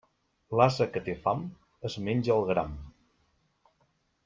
L'ase que té fam es menja el gram.